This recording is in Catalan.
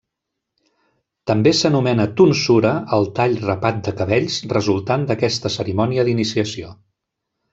També s'anomena tonsura el tall rapat de cabells resultant d'aquesta cerimònia d'iniciació.